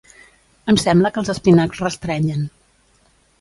Em sembla que els espinacs restrenyen